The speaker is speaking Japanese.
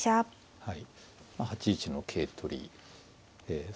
はい。